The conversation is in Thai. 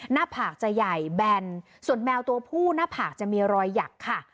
หน้าผากจะใหญ่แบนส่วนแมวตัวผู้หน้าผากจะมีรอยหยักค่ะ